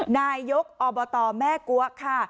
นายกอบตแม่กัวค่ะ